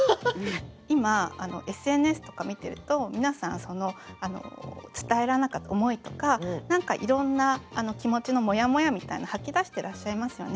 今ＳＮＳとか見てると皆さんその伝えられなかった思いとか何かいろんな気持ちのモヤモヤみたいな吐き出してらっしゃいますよね。